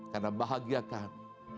karena bahagia kami